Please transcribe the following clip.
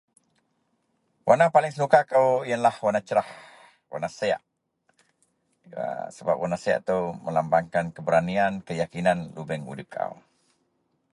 Warna paling senuka kou iyenlah iyenlah warna siek sebab warna siek melambang keberaniyan dagen udip.